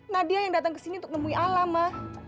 nadia yang datang ke sini untuk nemuin alam ma